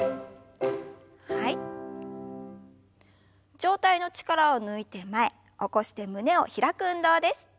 上体の力を抜いて前起こして胸を開く運動です。